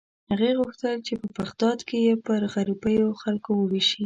هغې غوښتل چې په بغداد کې یې پر غریبو خلکو ووېشي.